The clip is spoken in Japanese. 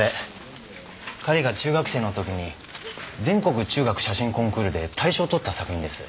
彼が中学生のときに全国中学写真コンクールで大賞取った作品です。